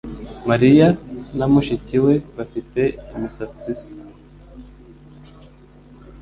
Mariya na mushiki we bafite imisatsi isa.